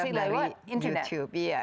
semuanya belajar dari youtube iya